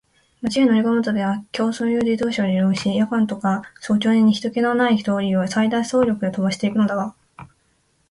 町へ乗りこむときには競走用自動車を利用し、夜間とか早朝に人気ひとけのない通りを最大速力で飛ばしていくのだが、